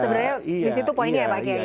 sebenarnya disitu poinnya ya pak